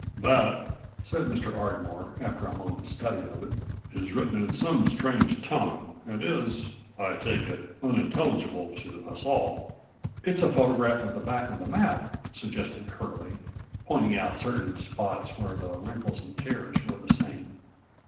"That," said Mr. Ardmore, after a moment's study of it, "is written in some strange tongue and is, I take it, unintelligible to us all." "It's a photograph of the back of the map," suggested Curlie, pointing out certain spots where the wrinkles and tears were the same.